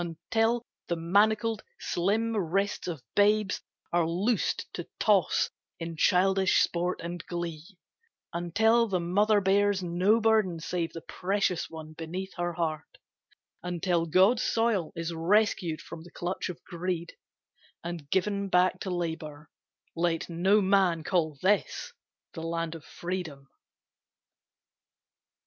Until the manacled, slim wrists of babes Are loosed to toss in childish sport and glee; Until the Mother bears no burden save The precious one beneath her heart; until God's soil is rescued from the clutch of greed And given back to labour, let no man Call this the Land of Freedom.